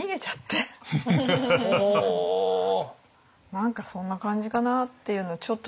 何かそんな感じかなっていうのをちょっと。